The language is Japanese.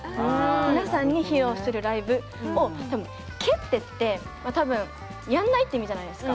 皆さんに披露するライブを多分「蹴って」ってまあ多分「やんない」って意味じゃないですか。